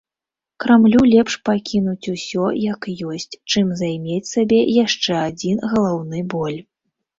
Крамлю лепш пакінуць усё, як ёсць, чым займець сабе яшчэ адзін галаўны боль.